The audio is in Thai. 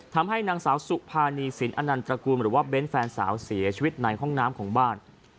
ทำให้นางสาวสุภานีสินอนันตระกูลหรือว่าเบ้นแฟนสาวเสียชีวิตในห้องน้ำของบ้าน